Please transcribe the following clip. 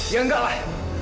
ya enggak lah